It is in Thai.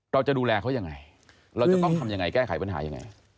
เราจะดูแลเขายังไงเราจะต้องทำยังไงแก้ไขปัญหายังไง